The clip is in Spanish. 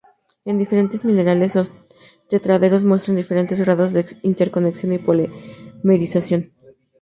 En diferentes minerales, los tetraedros muestran diferentes grados de interconexión y polimerización.